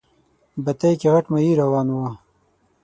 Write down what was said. بتۍ کې غټ ماهی روان و.